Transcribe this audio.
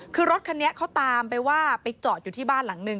คือรถคันนี้เขาตามไปว่าไปจอดอยู่ที่บ้านหลังนึง